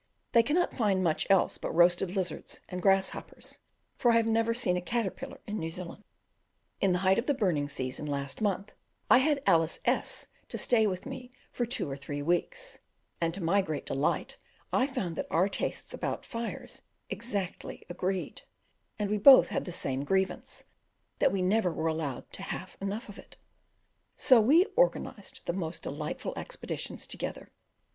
They cannot find much else but roasted lizards and, grasshoppers, for I have never seen a caterpillar in New Zealand. In the height of the burning season last month I had Alice S to stay with me for two or three weeks, and to my great delight I found our tastes about fires agreed exactly, and we both had the same grievance that we never were allowed to have half enough of it; so we organized the most delightful expeditions together.